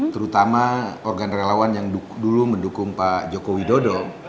terutama organ relawan yang dulu mendukung pak jokowi dodo